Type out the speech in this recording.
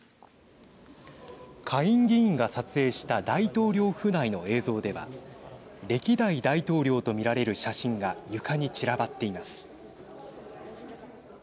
下院議員が撮影した大統領府内の映像では歴代大統領と見られる写真が床に散らばっています。